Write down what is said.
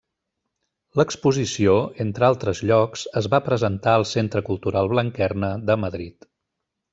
L'exposició, entre altres llocs, es va presentar al Centre Cultural Blanquerna de Madrid.